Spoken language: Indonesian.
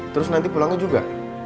terus nanti pulangnya juga